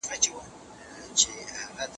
ایا پاڼه بېرته په خپله څانګه کې شنېدلای شي؟